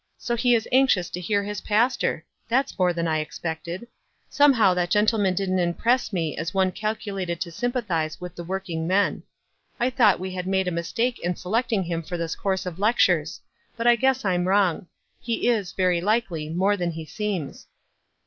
So he is anxious to hear his pastor! That's more than I expected. Somehow that gentleman doesn't impress me as one calculated to sympathize with the working men. I thought we had made a mistake in selecting him for this course of lectures. But I guess I'm wrong. He is, very likely, more than he seems."